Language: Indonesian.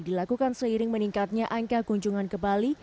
dilakukan seiring meningkatnya angka kunjungan ke bali